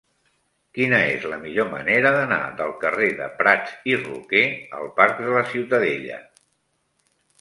Quina és la millor manera d'anar del carrer de Prats i Roquer al parc de la Ciutadella?